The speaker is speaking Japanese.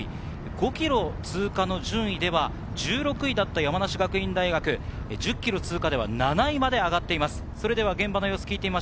５ｋｍ通過順位では１６位だった山梨学院大学、１０ｋｍ通過で７位まで上がっています。